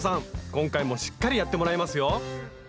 今回もしっかりやってもらいますよ。